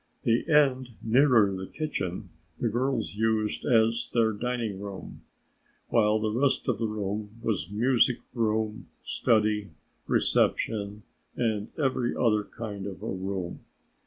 The end nearer the kitchen the girls used as their dining room, while the rest of the room was music room, study, reception and every other kind of a room.